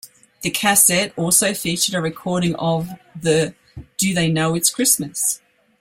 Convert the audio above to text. The cassette also featured a recording of the Do They Know It's Christmas?